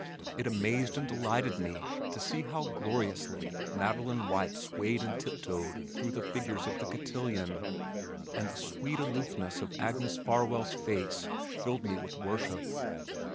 It amazed and delighted me to see how gloriously Madeleine White swayed and tip toed through the figures of the "Cotillion," and the sweet aloofness of Agnes Farwell's face filled me with worship.